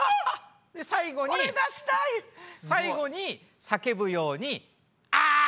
最後に叫ぶようにあぁぁぁ！